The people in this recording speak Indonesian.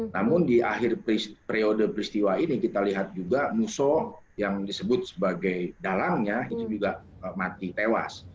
namun di akhir periode peristiwa ini kita lihat juga muso yang disebut sebagai dalangnya itu juga mati tewas